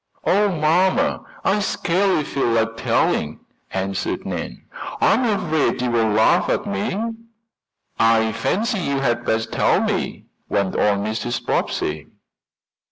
"Oh, mamma, I scarcely feel like telling," answered Nan. "I am afraid you'll laugh at me." "I fancy you had best tell me," went on Mrs. Bobbsey.